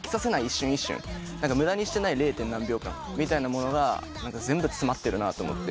無駄にしてない０．何秒間みたいなものが全部詰まってるなと思って。